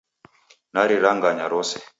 Nariranganya rose.